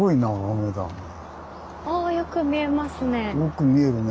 あよく見えますね。